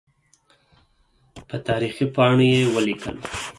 په تاریخ پاڼو یې ولیکل.